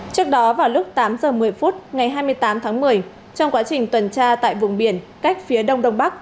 trước đó vào lúc tám giờ một mươi phút ngày hai mươi tám tháng một mươi trong quá trình tuần tra tại vùng biển cách phía đông đông bắc